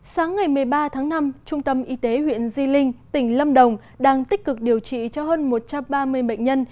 sáng ngày một mươi ba tháng năm trung tâm y tế huyện di linh tỉnh lâm đồng đang tích cực điều trị cho hơn một trăm ba mươi bệnh nhân